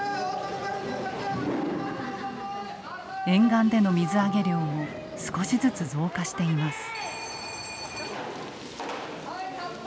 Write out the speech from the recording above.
沿岸での水揚げ量も少しずつ増加しています。